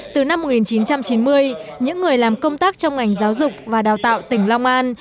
từ năm một nghìn chín trăm chín mươi những người làm công tác trong ngành giáo dục và đào tạo tỉnh long an